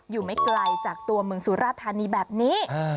อยู่ไม่ไกลจากตัวเมืองสุราธานีแบบนี้